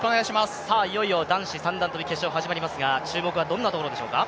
いよいよ男子三段跳決勝始まりますが、注目はどんなところでしょうか？